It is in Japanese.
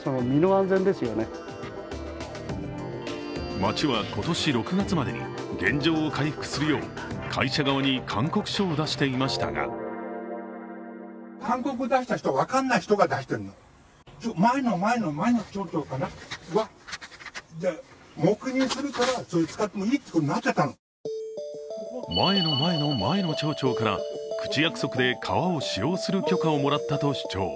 町は今年６月までに原状を回復するよう会社側に勧告書を出していましたが前の前の前の町長から口約束で川を使用する許可をもらったと主張。